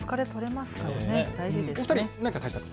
お二人何か対策は？